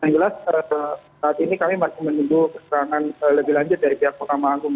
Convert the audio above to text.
yang jelas saat ini kami masih menunggu keserangan lebih lanjut dari pihak mahkamah agung